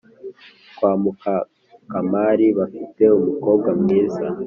kwa Mukakakamari bafite umukobwa mwiza